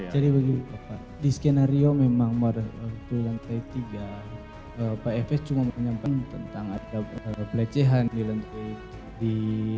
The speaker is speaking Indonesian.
jadi bagi pak di skenario memang pada bulan ke tiga pak fs cuma menyampaikan tentang ada pelecehan di lantai empat puluh enam